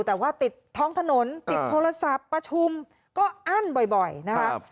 แต่ว่าติดท้องถนนติดโทรศัพท์ประชุมก็อั้นบ่อยนะครับ